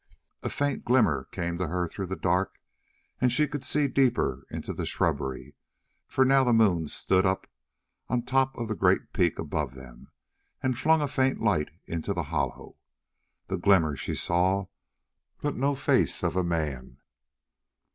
A faint glimmer came to her through the dark and she could see deeper into the shrubbery, for now the moon stood up on the top of the great peak above them and flung a faint light into the hollow. That glimmer she saw, but no face of a man.